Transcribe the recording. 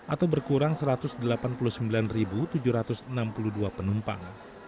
atau berkurang satu ratus delapan puluh sembilan tujuh ratus enam puluh dua penumpang